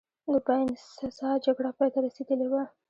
د باینسزا جګړه پایته رسېدلې وه.